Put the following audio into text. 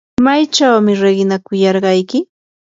¿maychawmi riqinakuyarqayki?